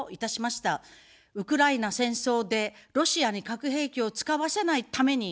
ウクライナ戦争でロシアに核兵器を使わせないために。